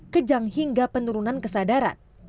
kejang hingga penurunan kesadaran